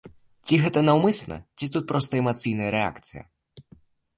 Ці гэта наўмысна ці тут проста эмацыйная рэакцыя?